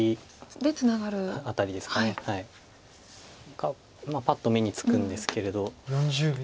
がパッと目につくんですけれど。